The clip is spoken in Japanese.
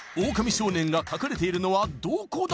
少年が隠れているのはどこだ？